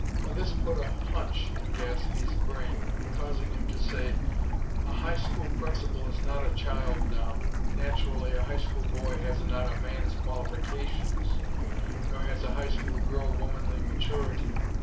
'" Now this put a "hunch" in Gadsby's brain, causing him to say; "A High School pupil is not a child, now. Naturally a High School boy has not a man's qualifications; nor has a High School girl womanly maturity.